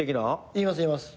言います言います。